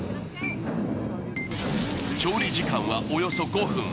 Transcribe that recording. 調理時間はおよそ５分。